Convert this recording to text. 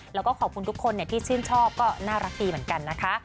แล้วก็ขอบคุณทุกคนที่ชื่นชอบก็น่ารักดีเหมือนกันนะคะ